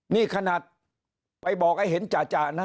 นี่ขนาดไปบอกให้เห็นจ่ะนะ